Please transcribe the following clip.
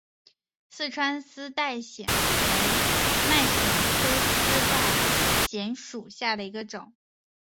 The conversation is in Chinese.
四川丝带藓为蔓藓科丝带藓属下的一个种。